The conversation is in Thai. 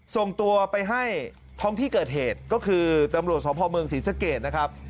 ส่งตัวไปให้ท้องที่เกิดเหตุก็คือตำรวจสพเมืองศรีสะเกดนะครับ